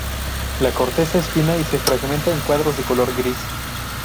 La corteza es fina y se fragmenta en cuadrados, de color gris.